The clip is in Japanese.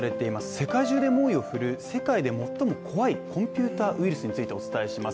世界中で猛威を振るう世界で最も怖いコンピュータウイルスについてお伝えします。